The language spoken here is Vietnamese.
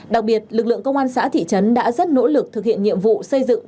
đặc biệt lực lượng công an xã thị trấn đã rất nỗ lực thực hiện nhiệm vụ xây dựng